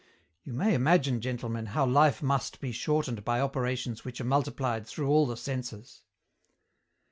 You may imagine, gentlemen, how life must be shortened by operations which are multiplied through all the senses."